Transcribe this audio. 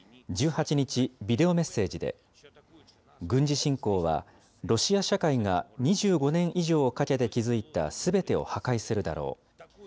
１８日、ビデオメッセージで、軍事侵攻は、ロシア社会が２５年以上をかけて築いたすべてを破壊するだろう。